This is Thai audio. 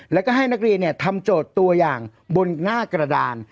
แล้วก็ให้นักเรียนทำโจทย์ตัวอย่างบนหน้ากระดาน